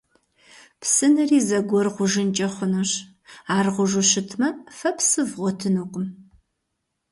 Псынэри зэгуэр гъужынкӀэ хъунущ. Ар гъужу щытмэ, фэ псы вгъуэтынукъым.